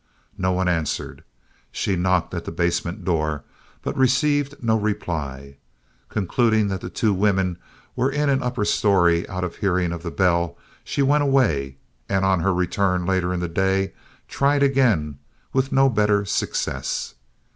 No one answered. She knocked at the basement door, but received no reply. Concluding that the two women were in an upper story out of hearing of the bell, she went away, and on her return later in the day tried again, with no better success.